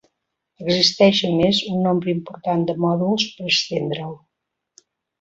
Existeix a més un nombre important de mòduls per estendre'l.